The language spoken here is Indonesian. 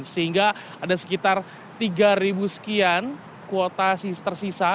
sehingga ada sekitar tiga sekian kuota tersisa